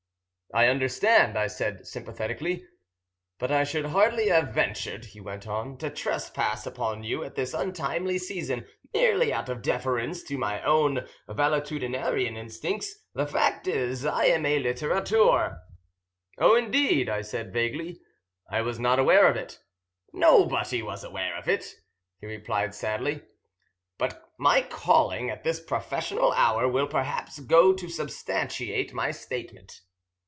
"I understand," I said sympathetically. "But I should hardly have ventured," he went on, "to trespass upon you at this untimely season merely out of deference to my own valetudinarian instincts. The fact is, I am a littérateur." "Oh, indeed," I said vaguely; "I was not aware of it." "Nobody was aware of it," he replied sadly; "but my calling at this professional hour will, perhaps, go to substantiate my statement."